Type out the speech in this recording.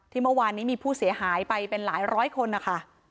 เมื่อวานนี้มีผู้เสียหายไปเป็นหลายร้อยคนนะคะ